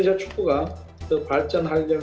saya juga menarik dari thailand